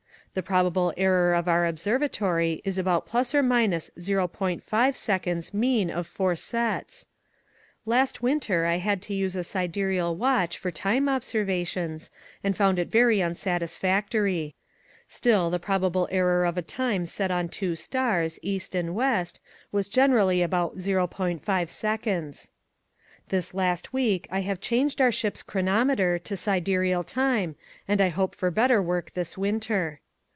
The probable error of our observatory is about ± o".S, mean of four sets. Last winter I had to use a siderial watch for time observations and found it very unsatis factory; still the probable error of a time set on two stars, east and west, was generally about Qs .o. This last week I have changed our ship's chronometer to siderial time and I hope for better work this winter.